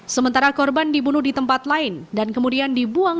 sementara korban dibunuh di tempat lain dan kemudian dibuang